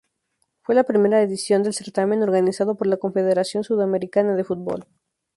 Fue la primera edición del certamen, organizado por la Confederación Sudamericana de Fútbol.